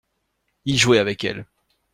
Il jouait avec elle.